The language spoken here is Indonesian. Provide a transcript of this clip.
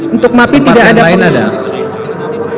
untuk mapi tidak ada penghitungan ulang